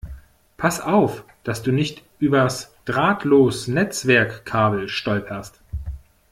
Pass auf, dass du nicht übers Drahtlosnetzwerk-Kabel stolperst!